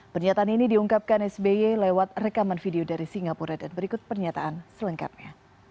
pernyataan ini diungkapkan sby lewat rekaman video dari singapura dan berikut pernyataan selengkapnya